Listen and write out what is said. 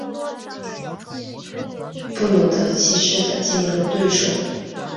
布鲁德七世的竞争对手。